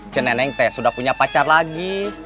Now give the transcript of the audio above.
ceneneng teh sudah punya pacar lagi